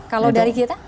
kalau dari kita